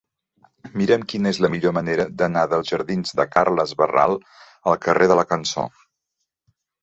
Mira'm quina és la millor manera d'anar dels jardins de Carles Barral al carrer de la Cançó.